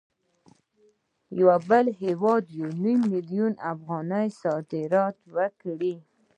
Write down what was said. بل هېواد یو نیم میلیون افغانۍ صادرات وکړي